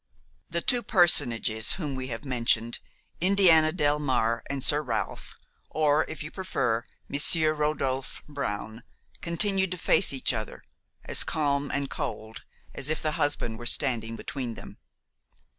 II The two personages whom we have mentioned, Indiana Delmare and Sir Ralph, or, if you prefer, Monsieur Rodolphe Brown, continued to face each other, as calm and cold as if the husband were standing between them.